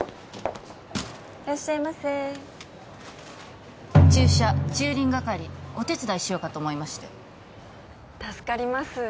いらっしゃいませ駐車・駐輪係お手伝いしようかと思いまして助かります